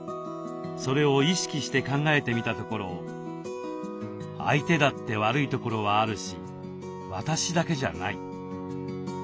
それを意識して考えてみたところ「相手だって悪いところはあるし私だけじゃない」